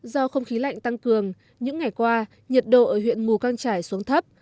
do không khí lạnh tăng cường những ngày qua nhiệt độ ở huyện mù căng trải xuống thấp